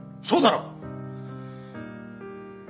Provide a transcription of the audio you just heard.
そうだろ？